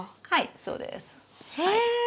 はいそうです。へえ！